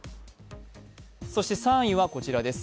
そして３位は、こちらです。